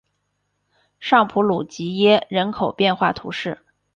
尚普鲁吉耶人口变化图示